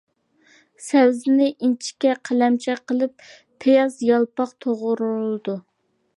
سەۋزىنى ئىنچىكە قەلەمچە قىلىپ، پىياز يالپاق توغرىلىدۇ.